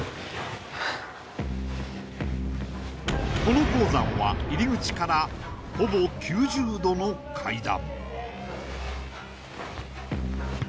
この鉱山は入り口からほぼ９０度の階段